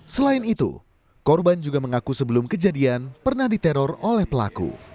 selain itu korban juga mengaku sebelum kejadian pernah diteror oleh pelaku